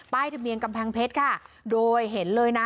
ทะเบียนกำแพงเพชรค่ะโดยเห็นเลยนะ